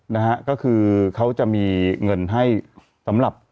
นะฮะก็คือเขาจะมีเงินให้สำหรับ